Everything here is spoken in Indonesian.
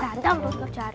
ganteng lu cari